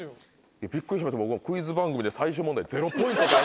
びっくりしました僕もクイズ番組で最終問題０ポイントって。